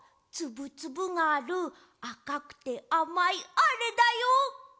つぶつぶがあるあかくてあまいあれだよ！